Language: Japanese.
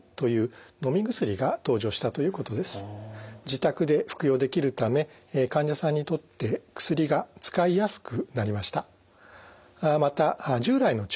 自宅で服用できるため患者さんにとって薬が使いやすくなりました。